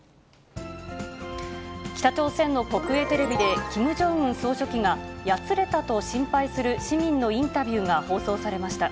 北朝鮮の国営テレビで、キム・ジョンウン総書記が、やつれたと心配する市民のインタビューが放送されました。